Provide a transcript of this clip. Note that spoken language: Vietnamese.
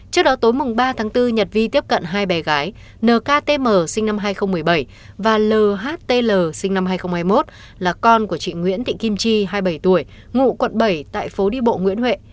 trước đó tối mùng ba tháng bốn nhật vi tiếp cận hai bé gái nktm sinh năm hai nghìn một mươi bảy và lhtl sinh năm hai nghìn hai mươi một là con của chị nguyễn thị kim chi hai mươi bảy tuổi ngụ quận bảy tại phố đi bộ nguyễn huệ